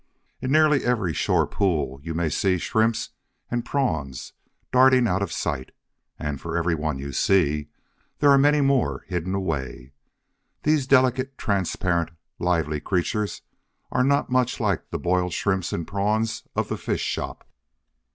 In nearly every shore pool you may see Shrimps and Prawns darting out of sight, and, for every one you see, there are many more hidden away. These delicate, transparent, lively creatures are not much like the boiled Shrimps and Prawns of the fish shop.